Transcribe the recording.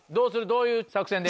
どういう作戦で？